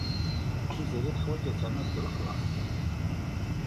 Tiziri teḥwaj ad ternu deg lexlaṣ.